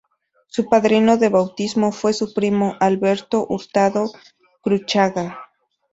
Su padrino de bautismo fue su primo, Alberto Hurtado Cruchaga.